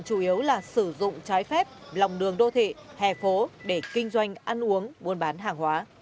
chủ yếu là sử dụng trái phép lòng đường đô thị hè phố để kinh doanh ăn uống buôn bán hàng hóa